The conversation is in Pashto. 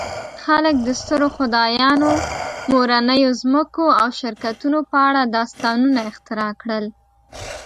خلک د سترو خدایانو، مورنیو ځمکو او شرکتونو په اړه داستانونه اختراع کړل.